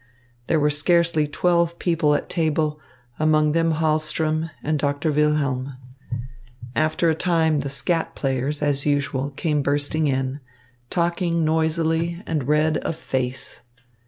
There were scarcely twelve people at table, among them Hahlström and Doctor Wilhelm. After a time the skat players, as usual, came bursting in, talking noisily and red of face.